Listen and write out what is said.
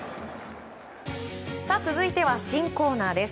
続いては新コーナーです。